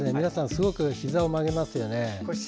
すごくひざを曲げますよね。